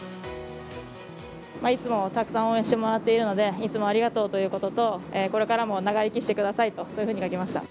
いつもたくさん応援してもらっているので、いつもありがとうということと、これからも長生きしてくださいと、そういうふうに書きました。